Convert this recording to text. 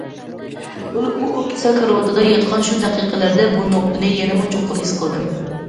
بولۇپمۇ ئۇ كېسەل كارىۋىتىدا ياتقان شۇ دەقىقىلەردە بۇ نۇقتىنى يەنىمۇ چوڭقۇر ھېس قىلدىم.